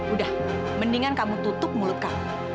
udah mendingan kamu tutup mulut kamu